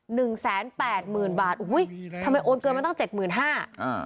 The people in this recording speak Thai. หนึ่งแสนแปดหมื่นบาททำไมโอนเกินไม่ต้องเจ็ดหมื่นห้า